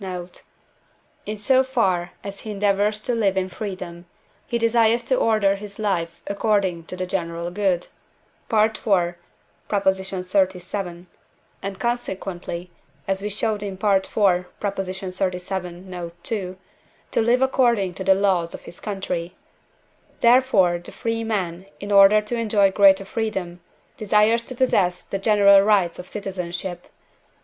note), in so far as he endeavours to live in freedom, he desires to order his life according to the general good (IV. xxxvii.), and, consequently (as we showed in IV. xxxvii. note. ii.), to live according to the laws of his country. Therefore the free man, in order to enjoy greater freedom, desires to possess the general rights of citizenship.